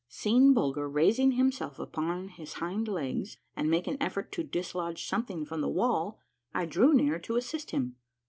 Seeing Bulger raising himself upon his hind legs, and make an effort to dislodge something from the wall, I drew near to assist him.